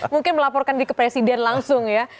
mungkin melaporkan di kepresiden langsung ya